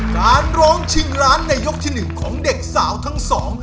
การร้องชิงล้านในยกที่หนึ่งของเด็กสาวทั้งสอง